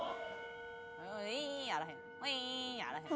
ウイーンやあらへん